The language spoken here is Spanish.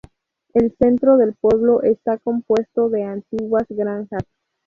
El centro del pueblo está compuesto de antiguas granjas.